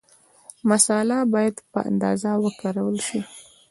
مساله باید په اندازه وکارول شي.